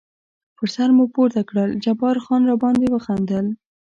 پر سر مو پورته کړل، جبار خان را باندې وخندل.